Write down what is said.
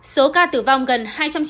số ca tử vong gần hai trăm chín mươi